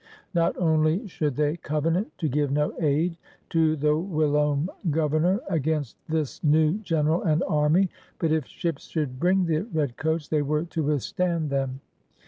Not only should they covenant to give no aid to the whilom Gover nor against this new general and army, but if ships should bring the Red Coats they were to withstand them.